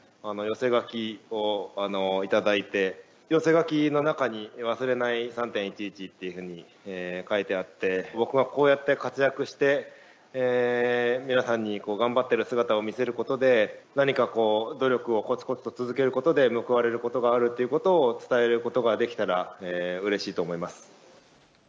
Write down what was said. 東北のアーチェリーの関係者の方々からも寄せ書きを頂いて、寄せ書きの中に、忘れない３・１１っていうふうに書いてあって、僕がこうやって活躍して、皆さんに頑張ってる姿を見せることで、何か努力をこつこつと続けることで報われることがあるってことを伝えることができたらうれしいと思います。